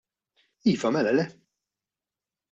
Iva, mela le!